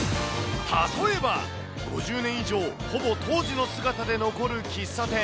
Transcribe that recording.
例えば、５０年以上、ほぼ当時の姿で残る喫茶店。